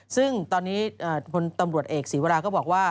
ซึ่งตอนนี้พลตำรวจเอกศีวราก็บอกว่า